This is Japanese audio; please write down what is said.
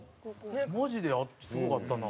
マジですごかったな。